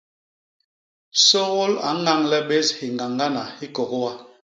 Sôgôl a ñañle bés hiñgañgana hi kôkôô.